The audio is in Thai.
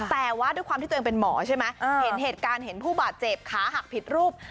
แต่ว่าด้วยความที่ตัวเองเป็นหมอใช่ไหมเห็นเหตุการณ์เห็นผู้บาดเจ็บขาหักผิดรูป